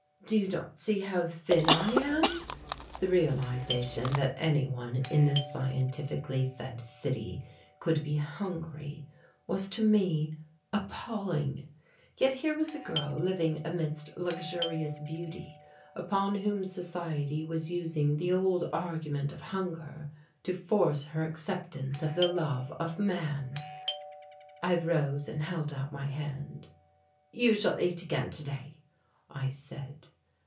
Do you not see how thin I am?" The realization that any one in this scientifically fed city could be hungry was to me appalling. Yet here was a girl living amidst luxurious beauty, upon whom society was using the old argument of hunger to force her acceptance of the love of man. I rose and held out my hand. "You shall eat again today," I said.